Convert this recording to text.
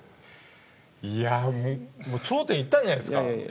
いやもう頂点いったんじゃないですか？